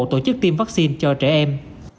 tổ chức tiêm vaccine cho trẻ em